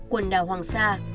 quần đảo hoàng sa